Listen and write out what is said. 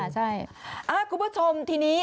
ใช่ค่ะใช่